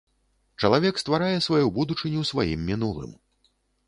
Чалавек стварае сваю будучыню сваім мінулым.